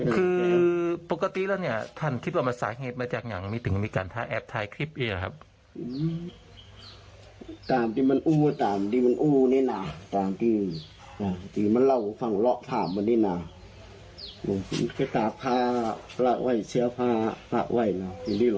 คือปกติแล้วเนี่ยท่านคิดว่ามันสาเหตุมาจากอย่างนี้ถึงมีการท้าแอบถ่ายคลิปนี้นะครับ